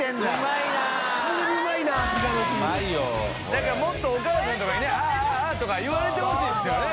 何かもっとお母さんとかにねああっ」とか言われてほしいですよね。